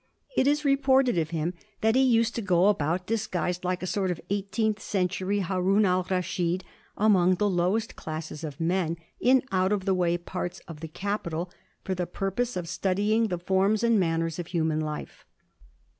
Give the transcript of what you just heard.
It is reported of him that he used to go about disguised, like a sort of eighteenth century Haroun al Raschid, amongst the lowest classes of men, in out of the way parts of the capital, for the purpose of studying the forms and manners of human life.